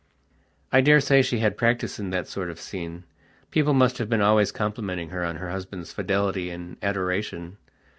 I daresay she had practice in that sort of scenepeople must have been always complimenting her on her husband's fidelity and adoration.